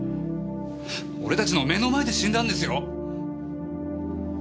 俺たちの目の前で死んだんですよ！